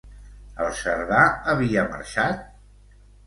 El Cerdà havia marxat?